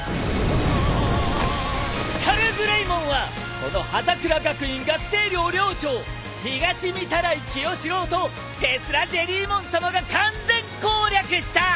スカルグレイモンはこの葉櫻学院学生寮寮長東御手洗清司郎とテスラジェリーモンさまが完全攻略した！